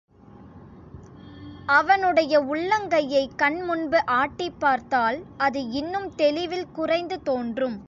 அவனுடைய உள்ளங்கையைக் கண் முன்பு ஆட்டிப் பார்த்தால், அது இன்னும் தெளிவில் குறைந்து தோன்றும்.